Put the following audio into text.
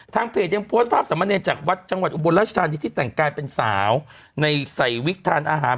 เพจยังโพสต์ภาพสามเณรจากวัดจังหวัดอุบลราชธานีที่แต่งกายเป็นสาวในใส่วิกทานอาหาร